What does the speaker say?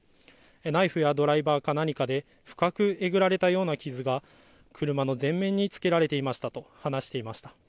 ナイフやドライバーか何かで深くえぐられたような傷が車の全面に付けられていましたと話していました。